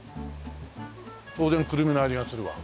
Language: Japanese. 当然くるみの味がするわ。